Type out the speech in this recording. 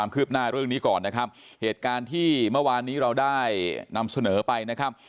คืบหน้าเรื่องนี้ก่อนนะครับเหตุการณ์ที่เมื่อวานนี้เราได้นำเสนอไปนะครับ